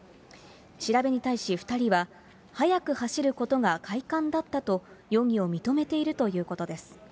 調べに対し２人は、速く走ることが快感だったと容疑を認めているということです。